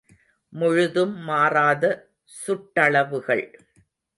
முழுதும் மாறாத சுட்டளவுகள்.